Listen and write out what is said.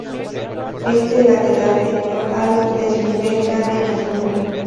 Este lateral debido al desnivel gana en altura.